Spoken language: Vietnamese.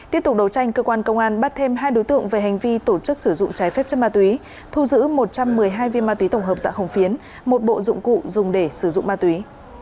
tiếp tục đấu tranh cơ quan công an bắt thêm hai đối tượng về hành vi tổ chức sử dụng trái phép chất ma túy thu giữ một trăm một mươi hai viên ma túy tổng hợp dạng hồng phiến một bộ dụng cụ dùng để sử dụng ma túy